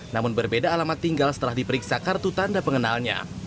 namun berbeda alamat tinggal setelah diperiksa kartu tanda pengenalnya